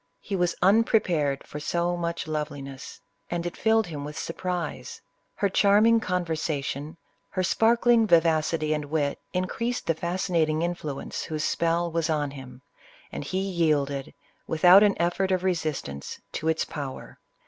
He was unprepared for so much loveliness, and it filled him with surprise. Her charm ing conversation, her sparkling vivacity and wit, in creased the fascinating influence whose spell was on him, and he yielded, without an effort of resistance, to its power.